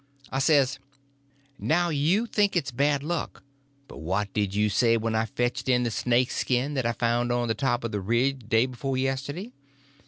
I says: "Now you think it's bad luck; but what did you say when I fetched in the snake skin that I found on the top of the ridge day before yesterday?